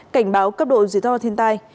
cảnh báo cấp độ dưới to thiên tai